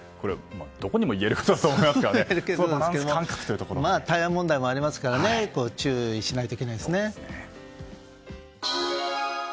どこにも言えることだと台湾問題もありますから注意しないといけないですね。